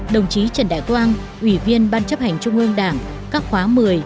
đồng chí trần đại quang ủy viên ban chấp hành trung ương đảng các khóa một mươi một mươi một một mươi hai